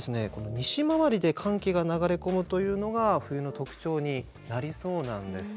西回りで寒気が流れ込むというのが冬の特徴になりそうなんです。